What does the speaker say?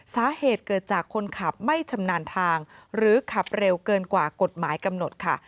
สาเหตุเกิดจากคนขับไม่ชำนาญทางหรือขับเร็วเกินกว่ากฎหมายกำหนดค่ะ